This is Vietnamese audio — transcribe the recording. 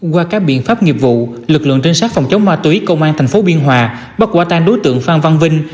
qua các biện pháp nghiệp vụ lực lượng trinh sát phòng chống ma túy công an tp biên hòa bắt quả tang đối tượng phan văn vinh